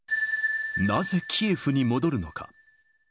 なぜキエフに戻るのか。